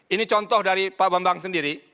ini contoh dari pak bambang sendiri